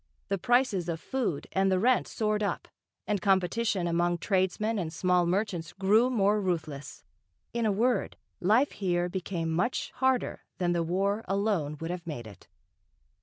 The prices of food, and the rent soared up, and competition among tradesmen and small merchants grew more ruthless, in a word, life here became much harder than the War alone would have made it.